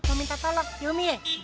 mau minta tolong ya umi ya